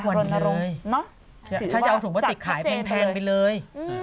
วันนี้เลยถือว่าจัดเจนเลยถ้าจะเอาถุงพลาสติกขายแพงไปเลย